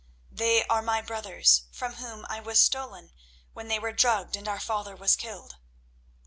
They are my brothers, from whom I was stolen when they were drugged and our father was killed."